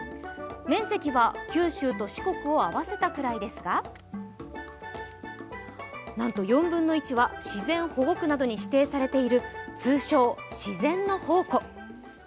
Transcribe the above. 面積は九州と四国を合わせたぐらいですがなんと４分の１が自然保護区などに指定されている通称、自然の宝庫。